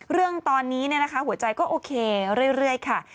เรื่องตอนนี้เนี่ยนะคะหัวใจก็โอเคเรื่อยค่ะ